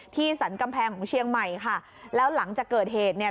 สรรกำแพงของเชียงใหม่ค่ะแล้วหลังจากเกิดเหตุเนี่ย